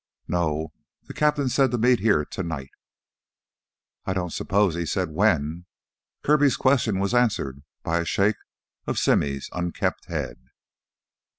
"No, the cap'n said to meet here tonight." "I don't suppose he said when?" Kirby's question was answered by a shake of Simmy's unkempt head.